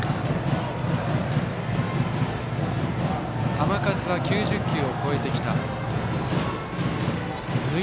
球数は９０球を超えてきた。